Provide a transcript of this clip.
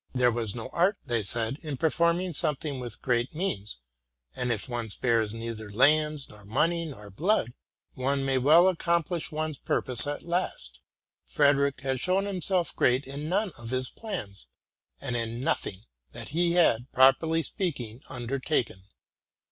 '' There was no art,'' they said, 'tin performing something with great means; and, if one spares neither lands nor money nor blood, one may well accomplish one's purpose at last. Frede rick had shown himself great in none of his plans, and in nothing that he had, properly speaking, undertaken.